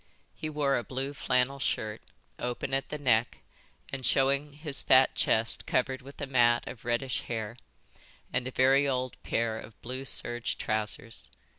He wore a blue flannel shirt, open at the neck and showing his fat chest covered with a mat of reddish hair, and a very old pair of blue serge trousers.